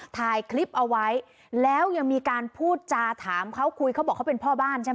ถ่ายคลิปเอาไว้แล้วยังมีการพูดจาถามเขาคุยเขาบอกเขาเป็นพ่อบ้านใช่ไหม